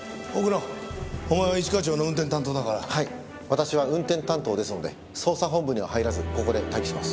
私は運転担当ですので捜査本部には入らずここで待機します。